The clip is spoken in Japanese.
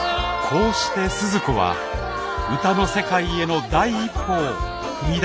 こうして鈴子は歌の世界への第一歩を踏み出したのです。